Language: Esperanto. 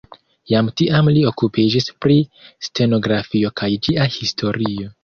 Jam tiam li okupiĝis pri stenografio kaj ĝia historio.